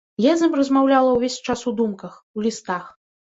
Я з ім размаўляла ўвесь час у думках, у лістах.